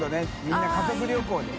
みんな家族旅行で。